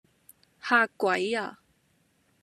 嚇鬼呀?